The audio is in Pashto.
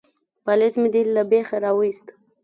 _پالېز مې دې له بېخه را وايست.